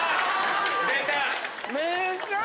出た。